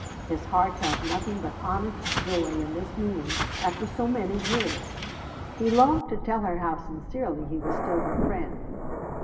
His heart held nothing but honest joy in this meeting after so many years; he longed to tell her how sincerely he was still her friend.